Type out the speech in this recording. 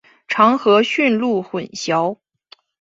常和驯鹿混淆。